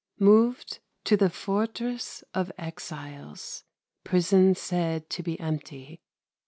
Moved to the Fortress of Exiles. Prison said to be empty.